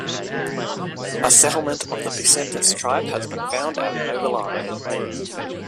A settlement of the Picentes tribe has been found at Novilara.